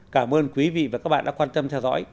cảm ơn quý vị và các bạn đã quan tâm theo dõi